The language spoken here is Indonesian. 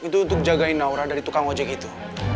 itu untuk jagain naura dari tukang ojek itu